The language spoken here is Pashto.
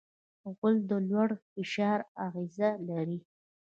غول د لوړ فشار اغېز لري.